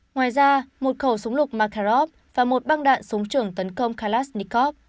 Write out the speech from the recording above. ngoài ra một khẩu súng lục makarov và một băng đạn súng trường tấn công kalashnikov